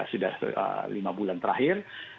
sudah lima bulan terakhir